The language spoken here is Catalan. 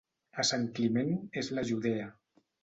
A Sant Climent és la Judea.